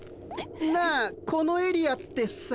なあこのエリアってさ。